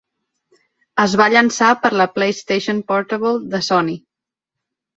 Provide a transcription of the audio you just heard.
Es va llançar per la PlayStation Portable de Sony.